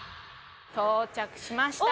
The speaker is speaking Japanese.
到着しました。